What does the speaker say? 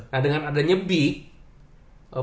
nah dengan adanya big